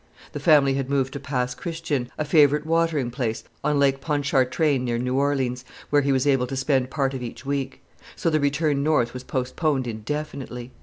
The family had moved to Pass Christian, a favorite watering place on Lake Pontchartrain, near New Orleans, where he was able to spend part of each week. So the return North was postponed indefinitely.